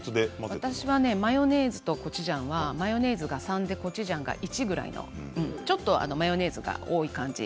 私はマヨネーズとコチュジャンはマヨネーズが３でコチュジャンが１ちょっとマヨネーズが多い感じ。